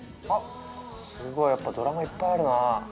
すごいやっぱドラマいっぱいあるなあ。